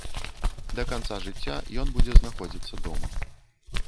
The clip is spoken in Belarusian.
Да канца жыцця ён будзе знаходзіцца дома.